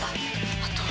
あとは。